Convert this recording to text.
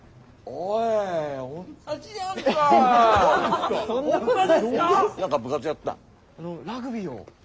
あのラグビーを。